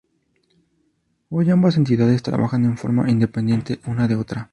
Hoy ambas entidades trabajan en forma independiente una de otra.